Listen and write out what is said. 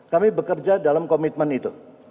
kami bekerja dalam komitmen itu